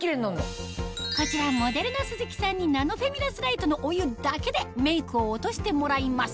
こちらモデルの鈴木さんにナノフェミラスライトのお湯だけでメイクを落としてもらいます